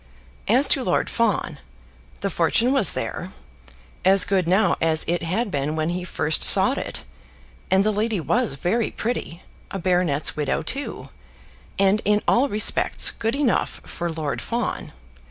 As to Lord Fawn, the fortune was there, as good now as it had been when he first sought it; and the lady was very pretty, a baronet's widow too! and in all respects good enough for Lord Fawn.